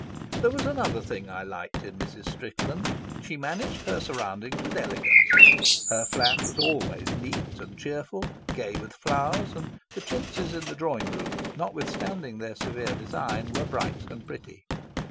There was another thing I liked in Mrs. Strickland. She managed her surroundings with elegance. Her flat was always neat and cheerful, gay with flowers, and the chintzes in the drawing room, notwithstanding their severe design, were bright and pretty.